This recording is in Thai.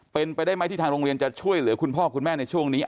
เป็นไปได้ไหมที่ทางโรงเรียนจะช่วยเหลือคุณพ่อคุณแม่ในช่วงนี้